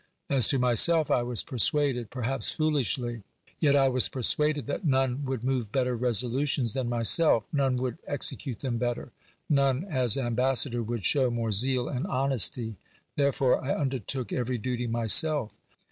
As to myself I was persuaded, perhaps foolishly, yet I was persuaded, that none would move better resolutions than myself, none would execute them better, none as ambassador would show more zeal and honesty. Therefore I under took every duty myself.